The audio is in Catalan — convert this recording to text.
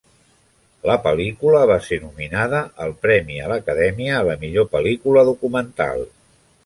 La pel·lícula va ser nominada al premi a l'Acadèmia a la millor pel·lícula documental.